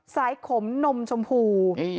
สายขมนมชมพู